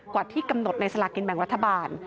กว่าที่กำหนดในสลากินแบ่งรัฐบาล